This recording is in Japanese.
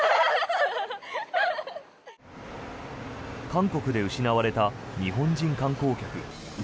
韓国で失われた日本人観光客。